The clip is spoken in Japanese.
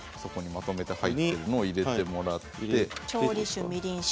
まとめて入っているものを入れてもらって。